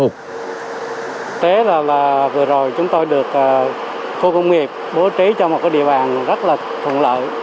thế là vừa rồi chúng tôi được khu công nghiệp bố trí trong một địa bàn rất là thuận lợi